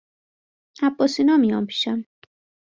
عباس اینا میان پیشم